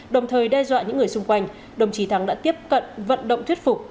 đồng thời đe dọa những người xung quanh đồng chí thắng đã tiếp cận vận động thuyết phục